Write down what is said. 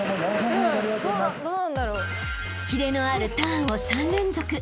［キレのあるターンを３連続］